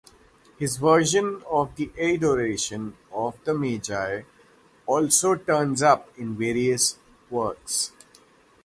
His version of the Adoration of the Magi also turns up in various works.